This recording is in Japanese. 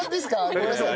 ごめんなさい。